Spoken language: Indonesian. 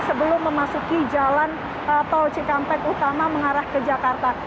sebelum memasuki jalan tol cikampek utama mengarah ke jakarta